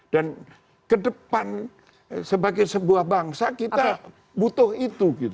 dan kedepan sebagai sebuah bangsa kita butuh itu gitu